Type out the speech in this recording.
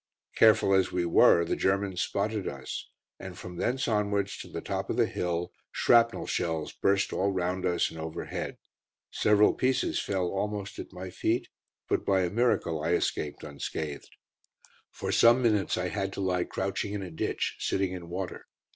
Careful as we were, the Germans spotted us, and from thence onwards to the top of the hill shrapnel shells burst all round us and overhead. Several pieces fell almost at my feet, but by a miracle I escaped unscathed. For some minutes I had to lie crouching in a ditch, sitting in water.